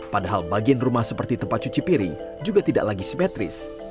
padahal bagian rumah seperti tempat cuci piring juga tidak lagi simetris